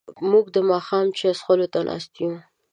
موږ د ماښام چای څښلو ته ناست یو.